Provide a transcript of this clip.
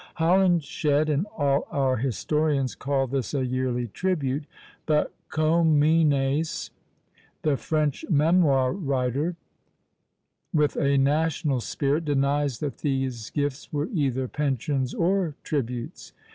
Holinshed and all our historians call this a yearly tribute; but Comines, the French memoir writer, with a national spirit, denies that these gifts were either pensions or tributes.